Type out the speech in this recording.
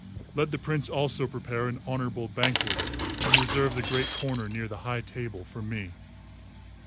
Let the Prince also prepare an honourable banquet and reserve the great corner near the high table for me.